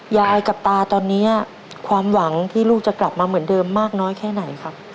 ยายกับตาตอนนี้ความหวังที่ลูกจะกลับมาเหมือนเดิมมากน้อยแค่ไหนครับ